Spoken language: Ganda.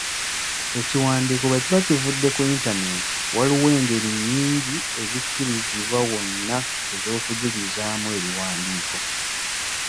Ekiwandiiko bwe kiba kivudde ku Internet waliwo engeri nnyingi ezikkirizibwa wonna ez’okujulizaamu ebiwandiiko.